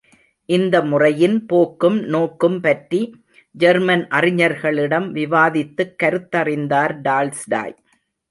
இந்த முறையின் போக்கும் நோக்கும் பற்றி ஜெர்மன் அறிஞர்களிடம் விவாதித்துக் கருத்தறிந்தார் டால்ஸ்டாய்.